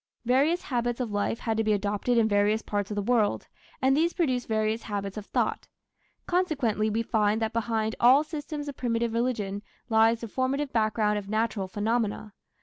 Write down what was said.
Various habits of life had to be adopted in various parts of the world, and these produced various habits of thought. Consequently, we find that behind all systems of primitive religion lies the formative background of natural phenomena.